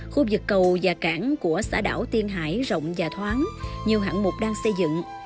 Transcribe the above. khu vực cầu và cảng của xã đảo tiên hải rộng và thoáng nhiều hạng mục đang xây dựng